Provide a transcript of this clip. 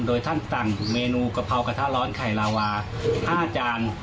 โดยท่านสั่งเมนูกะเพรากระทะร้อนไข่ลาวา๕จาน